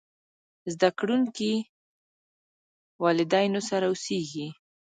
زده کړونکي والدينو سره اوسېږي.